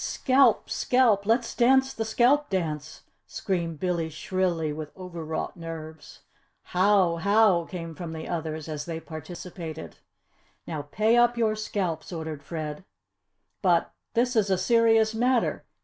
"Scalp! scalp! Let's dance the scalp dance!" screamed Billy shrilly, with overwrought nerves. "How! How!" came from the others as they participated. "Now pay up your scalps!" ordered Fred. "But, this is a serious matter.